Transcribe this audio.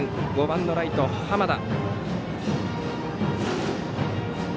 ５番ライト、濱田。